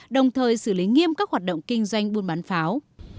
đồng thời xử lý nghiêm các hoạt động kinh doanh buôn bán pháo